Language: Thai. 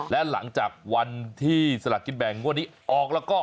และหลังจากวันที่สลักกินแบ่งงวดนี้ออกแล้วก็